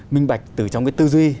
minh bạch từ trong cái tư duy